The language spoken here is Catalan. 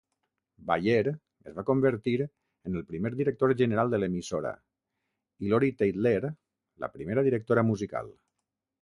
Baier es va convertir en el primer director general de l'emissora i Lori Teitler, la primera directora musical.